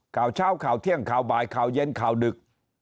ข่าวเช้าข่าวเที่ยงข่าวบ่ายข่าวเย็นข่าวดึก